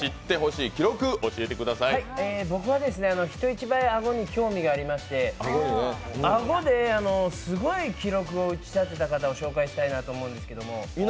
僕は、人一倍、顎に興味がありまして顎ですごい記録を打ち立てた方を紹介したいなと思うんですけど。